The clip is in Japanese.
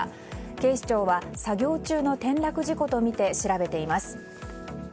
警視庁は作業中の転落事故とみて調べています。